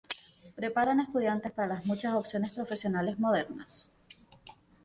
Preparan estudiantes para las muchas opciones profesionales modernas.